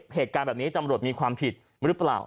เหตุการณ์แบบนี้ตำรวจมีความผิดหรือเปล่า